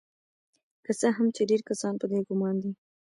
که څه هم چې ډیر کسان په دې ګمان دي